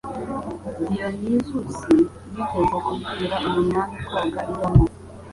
Dionysus yigeze kubwira uyu mwami koga ibamo